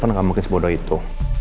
om irfan gak mungkin sebodoh itu